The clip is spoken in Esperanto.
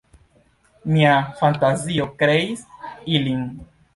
Mia fantazio kreis ilin.